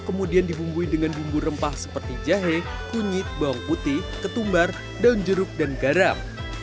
kemudian dibumbui dengan bumbu rempah seperti jahe kunyit bawang putih ketumbar daun jeruk dan garam